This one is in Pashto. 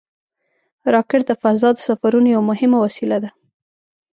راکټ د فضا د سفرونو یوه مهمه وسیله ده